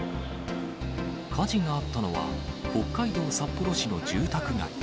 火事があったのは、北海道札幌市の住宅街。